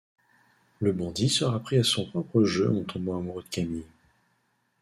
Le bandit sera pris à son propre jeu en tombant amoureux de Camille...